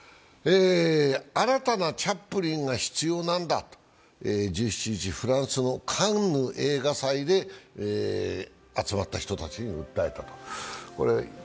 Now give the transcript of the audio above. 新たなチャップリンが必要なんだと１７日、フランスのカンヌ映画祭で集まった人たちに訴えたと。